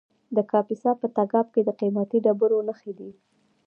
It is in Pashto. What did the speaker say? د کاپیسا په تګاب کې د قیمتي ډبرو نښې دي.